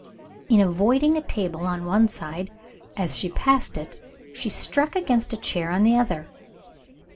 In avoiding a table on one side, as she passed it, she struck against a chair on the other.